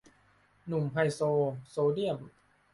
หนุ่มไฮโซ โซเดียม